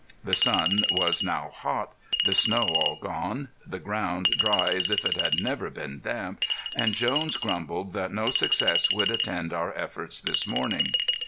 The sun was now hot; the snow all gone; the ground dry as if it had never been damp; and Jones grumbled that no success would attend our efforts this morning.